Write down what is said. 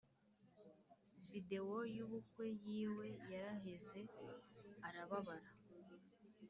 Videwo yubukwe yiwe yaraheze arababara